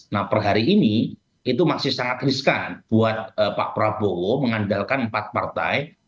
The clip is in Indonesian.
nah per hari ini itu masih sangat riskan buat pak prabowo mengandalkan empat partai